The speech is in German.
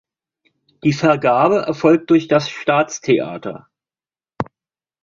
Die Vergabe erfolgt durch das Staatstheater.